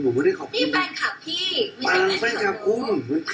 แฟมิลี่คุณ